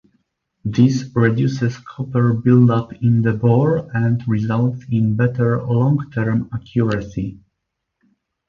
This reduces copper build-up in the bore, and results in better long-term accuracy.